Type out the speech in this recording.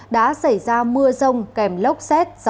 đã xảy ra mưa rông kèm lốc xét